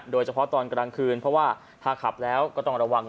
โดยเฉพาะตอนกลางคืนเพราะว่าถ้าขับแล้วก็ต้องระวัง